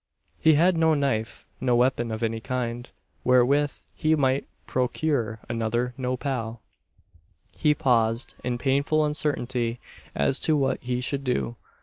He had no knife no weapon of any kind wherewith he might procure another nopal. He paused, in painful uncertainty as to what he should do.